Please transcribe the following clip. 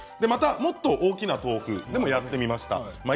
もっと大きな豆腐でもやってみました。